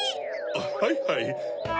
はいはい。